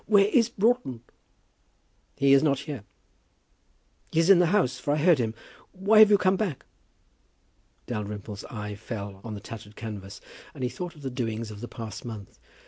"Where is Broughton?" "He is not here." "He is in the house, for I heard him. Why have you come back?" Dalrymple's eye fell on the tattered canvas, and he thought of the doings of the past month.